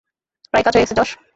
প্রায় কাজ হয়ে গেছে, জশ!